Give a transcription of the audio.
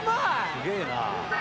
すげぇな。